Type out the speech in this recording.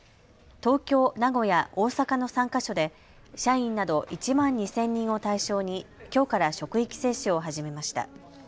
東京、名古屋、大阪の３か所で社員など１万２０００人を対象にきょうから職域接種を始めました。